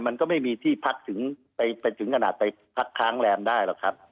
มันก็ไม่มีที่พักถึงขนาดไปพักค้างแรมได้หรอกครับ